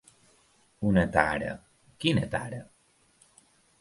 Una tara… Quina tara?